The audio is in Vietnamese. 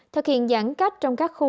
thực hiện giãn cách trong các khu